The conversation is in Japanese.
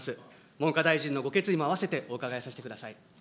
文科大臣のご決意もあわせて、お伺いさせてください。